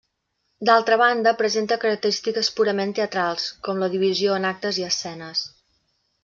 D'altra banda presenta característiques purament teatrals, com la divisió en actes i escenes.